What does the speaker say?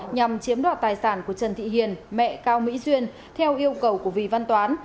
nhằm chiếm đoạt tài sản của trần thị hiền mẹ cao mỹ duyên theo yêu cầu của vì văn toán